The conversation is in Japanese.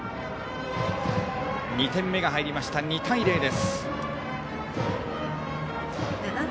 ２点目が入りました、２対０です。